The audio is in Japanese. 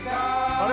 あれ？